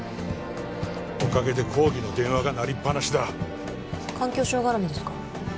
おかげで抗議の電話が鳴りっぱなしだ環境省絡みですか？